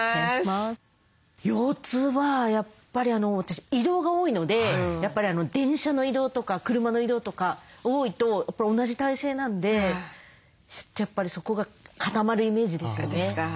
腰痛はやっぱり私移動が多いので電車の移動とか車の移動とか多いと同じ体勢なんでちょっとやっぱりそこが固まるイメージですよね。